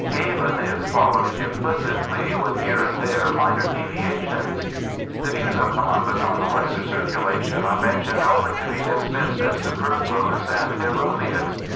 Galen is followed implicitly, with here and there minor deviations. The views of Columbus on the lesser circulation are men tioned only to be dismissed as superfluous and erro neous.